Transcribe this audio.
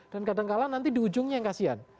dan kadang kadang nanti di ujungnya yang kasihan